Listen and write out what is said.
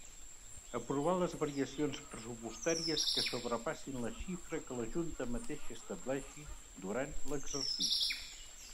Aprovar les variacions pressupostàries que sobrepassin la xifra que la Junta mateixa estableixi durant l'exercici.